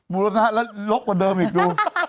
บุรณะแล้วลกกว่าเดิมอีกดู